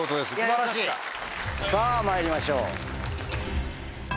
さぁまいりましょう。